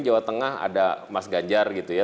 jawa tengah ada mas ganjar gitu ya